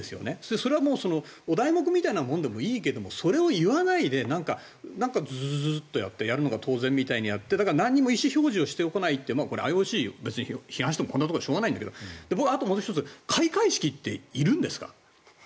それはお題目みたいなものでもいいけれどそれを言わないでズズズッとやってやるのが当然みたいにやって何も意思表示をしてこないってこれはＩＯＣを別にこんなところで批判してもしょうがないんだけどあともう１つ開会式っているんですか？